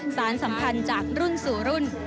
สารสัมพันธ์จากรุ่นสู่รุ่น